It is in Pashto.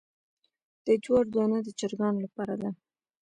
د جوارو دانه د چرګانو لپاره ده.